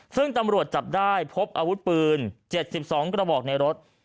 ซึ่งตำรวจจับได้พบอาวุธปืน๗๒กระบอกในรถ